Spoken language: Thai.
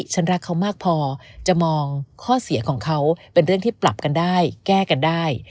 ฉันรักเขามากพอจะมองข้อเสียของเขาเป็นเรื่องที่ปรับกันได้แก้กันได้